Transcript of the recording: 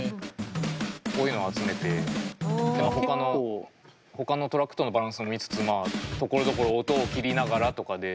こういうのを集めてほかのトラックとのバランスを見つつところどころ音を切りながらとかで。